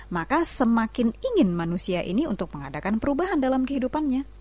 maka semakin ingin manusia ini untuk mengadakan perubahan dalam kehidupannya